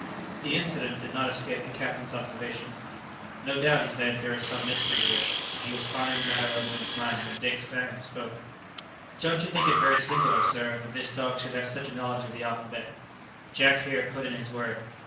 The incident did not escape the captain's observation. "No doubt," he said, "there is some mystery here;" and he was pondering the matter over in his mind when Dick Sands spoke. "Don't you think it very singular, sir, that this dog should have such a knowledge of the alphabet?" Jack here put in his word.